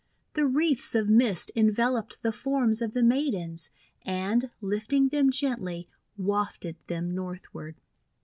The wreaths of mist en veloped the forms of the Maidens, and, lifting them gently, wafted them northward.